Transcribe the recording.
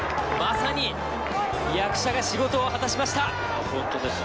まさに役者が仕事を果たしました。